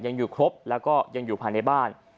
ยังอยู่ครบแล้วก็ยังอยู่ภายในบ้าน